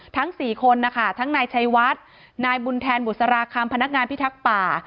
ทั้ง๔คนนะคะทั้งนายชัยวัดนายบุญแทนบุษราคำพนักงานพิทักษ์ป่า